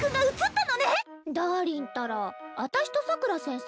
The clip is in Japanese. ダーリンったらあたしとサクラ先生